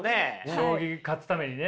将棋勝つためにね。